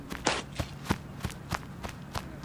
铃鹿赛道是铃鹿市的著名标志之一。